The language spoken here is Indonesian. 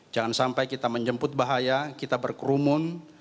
jangan sampai kita menjemput bahaya kita berkerumun